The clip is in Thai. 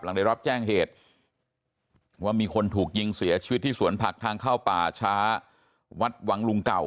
ได้รับแจ้งเหตุว่ามีคนถูกยิงเสียชีวิตที่สวนผักทางเข้าป่าช้าวัดวังลุงเก่า